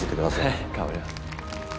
はい頑張ります。